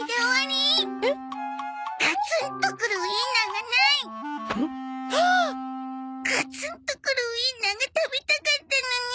ガツンとくるウインナーが食べたかったのに。